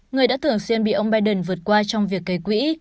người đã thường xuyên bị ông biden vượt qua trong việc gây quỹ